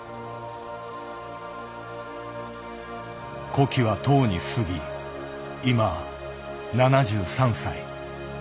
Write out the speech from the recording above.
古希はとうに過ぎ今７３歳。